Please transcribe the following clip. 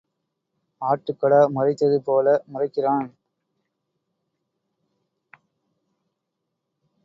ஆட்டுக்கடா முறைத்தது போல முறைக்கிறான்.